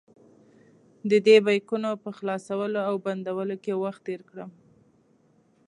ددې بیکونو په خلاصولو او بندولو کې وخت تېر کړم.